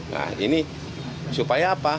nah ini supaya apa